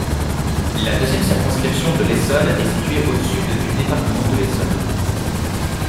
La deuxième circonscription de l’Essonne est située au sud du département de l’Essonne.